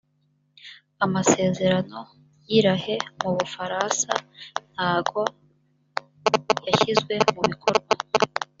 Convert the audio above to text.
amasezerano yi lahe mu bufarasa ntago yashyizwe mu bikorwa